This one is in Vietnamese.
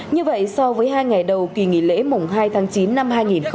như vậy so với hai ngày đầu kỳ nghỉ lễ mùng hai tháng chín năm hai nghìn một mươi chín